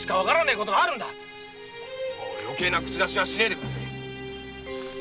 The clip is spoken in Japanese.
もう余計な口出しはしねえでくだせえ！